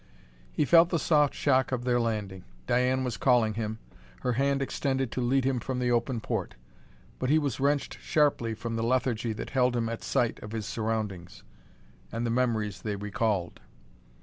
He felt the soft shock of their landing. Diane was calling him, her hand extended to lead him from the open port. But he was wrenched sharply from the lethargy that held him at sight of his surroundings, and the memories they recalled.